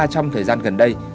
trong thời gian gần đây